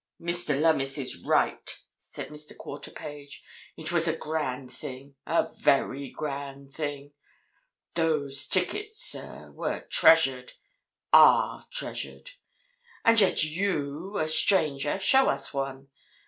"Mr. Lummis is right," said Mr. Quarterpage. "It was a grand thing—a very grand thing. Those tickets, sir, were treasured—are treasured. And yet you, a stranger, show us one!